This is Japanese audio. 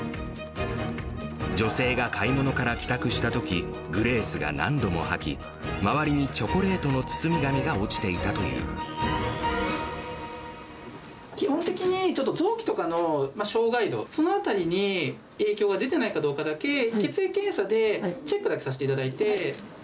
女性が買い物から帰宅したとき、グレースが何度も吐き、周りにチョコレートの包み紙が落ちていた基本的にちょっと、臓器とかの障害度、そのあたりに影響が出てないかどうかだけ、血液検査でチェックだけさせていただいて。